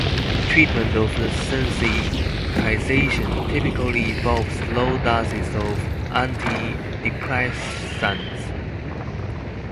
Treatment of sensitization typically involves low doses of anti-depressants.